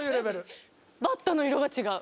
バットの色が違う。